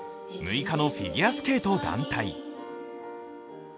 ６日のフィギュアスケート団体。